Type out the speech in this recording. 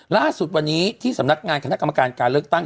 ล่าสุดวันนี้ที่สำนักงานคณะกรรมการการเลือกตั้ง